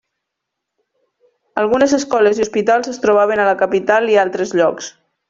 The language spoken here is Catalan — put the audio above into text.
Algunes escoles i hospitals es trobaven a la capital i altres llocs.